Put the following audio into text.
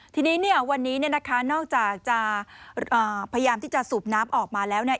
ทีนี้เนี่ยวันนี้เนี่ยนะคะนอกจากจะพยายามที่จะสูบน้ำออกมาแล้วเนี่ย